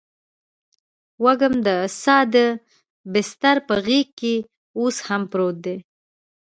وږم د ساه دی دبسترپه غیږکې اوس هم پروت دي